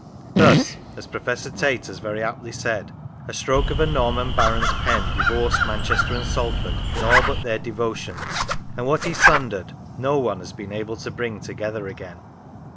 " Thus," as Professor Tait has very aptly said, " a stroke of a Norman Baron's pen divorced Manchester and Salford in all but their devotions, and what he sundered no one has been able to bring together again."